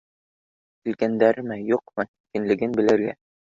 Килгәндәрме-юҡмы икәнлеген белергә